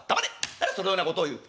なぜそのようなことを言う。